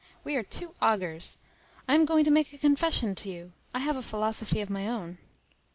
We are two augurs. I am going to make a confession to you. I have a philosophy of my own."